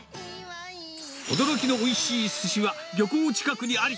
驚きのおいしい寿司は、漁港近くにあり！